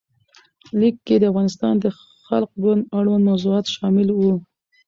لیک کې د افغانستان د خلق ګوند اړوند موضوعات شامل وو.